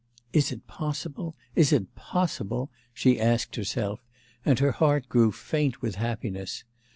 'Is it possible? Is it possible?' she asked herself, and her heart grew faint with happiness.